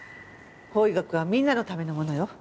法医学はみんなのためのものよ。